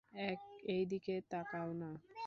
এই দিকে তাকাও না।